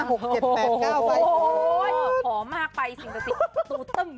โอ้โหขอมากไปสิมประสิทธิ์